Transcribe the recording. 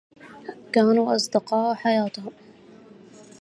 كانوا أصدقاءا حياتهم.